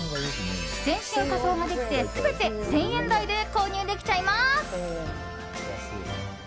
全身仮装ができて全て１０００円台で購入できちゃいます。